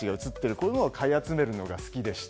こういうのを買い集めるのが好きでした。